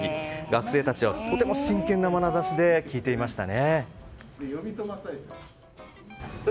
学生たちはとても真剣なまなざしで聞いていました。